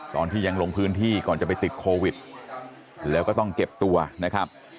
ตอนที่ยังลงพื้นที่ก่อนจะไปติดโควิดแล้วก็ต้องเก็บตัวนะครับ